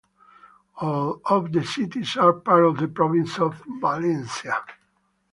All of the cities are part of the province of Valencia.